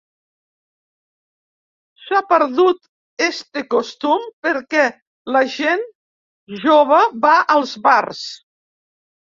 S’ha perdut este costum perquè la gent jove va als bars.